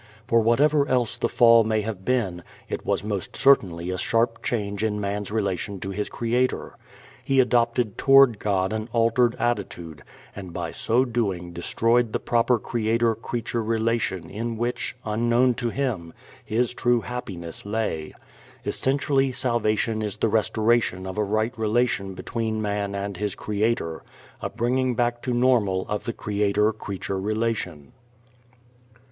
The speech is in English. For whatever else the Fall may have been, it was most certainly a sharp change in man's relation to his Creator. He adopted toward God an altered attitude, and by so doing destroyed the proper Creator creature relation in which, unknown to him, his true happiness lay. Essentially salvation is the restoration of a right relation between man and his Creator, a bringing back to normal of the Creator creature relation.